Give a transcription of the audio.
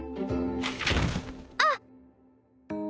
「あっ！」。